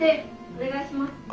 お願いします。